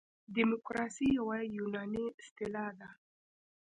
دموکراسي یوه یوناني اصطلاح ده.